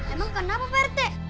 emang kenapa prt